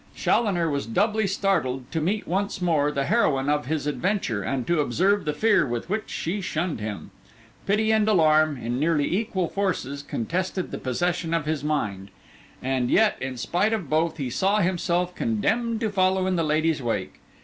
Challoner was doubly startled to meet once more the heroine of his adventure, and to observe the fear with which she shunned him. Pity and alarm, in nearly equal forces, contested the possession of his mind; and yet, in spite of both, he saw himself condemned to follow in the lady's wake.